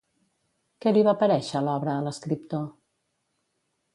Què li va parèixer l'obra a l'escriptor?